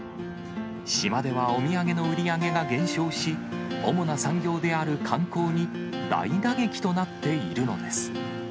島ではお土産の売り上げが減少し、主な産業である観光に大打撃となっているのです。